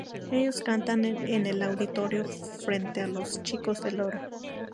Ellos cantan en el auditorio frente a los chicos del coro.